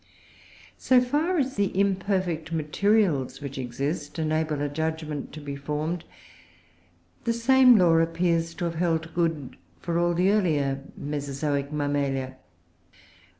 So far as the imperfect materials which exist enable a judgment to be formed, the same law appears to have held good for all the earlier Mesozoic Mammalia.